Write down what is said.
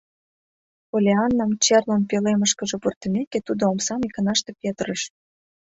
Поллианнам черлын пӧлемышкыже пуртымеке, тудо омсам иканаште петырыш.